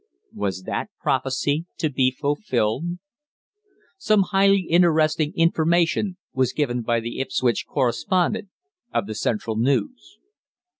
Was that prophecy to be fulfilled? Some highly interesting information was given by the Ipswich correspondent of the Central News.